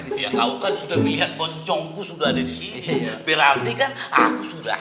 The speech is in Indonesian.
disini kau kan sudah melihat bocongku sudah ada di sini berarti kan aku sudah